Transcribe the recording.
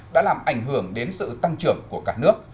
đã làm ảnh hưởng đến sự tăng trưởng của cả nước